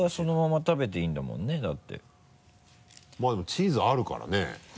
まぁでもチーズあるからね。